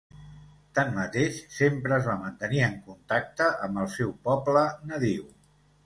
Tanmateix, sempre es va mantenir en contacte amb el seu poble nadiu.